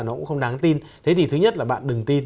nó cũng không đáng tin thế thì thứ nhất là bạn đừng tin